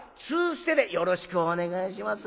２ステでよろしくお願いします。